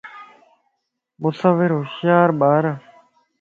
مصور ھوشيار ٻارائي